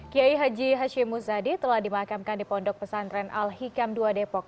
kiai haji hashim muzadi telah dimakamkan di pondok pesantren al hikam dua depok